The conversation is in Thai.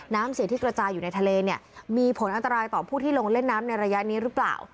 น้ำเสียที่กระจายอยู่ในทะเลเนี่ยมีผลอันตรายต่อผู้ที่ลงเล่นน้ำในระยะนี้หรือเปล่า